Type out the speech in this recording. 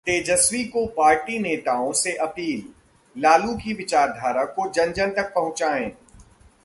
तेजस्वी की पार्टी नेताओं से अपील- लालू की विचारधारा को जन-जन तक पहुंचाएं